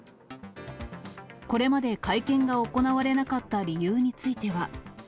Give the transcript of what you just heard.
これまで会見が行われなかった理由については。